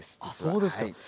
あそうですか。